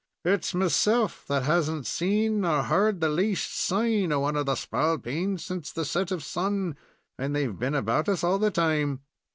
"It's meself that has n't seen or heard the least sign of one of the spalpeens since the set of sun, and they've been about us all the time."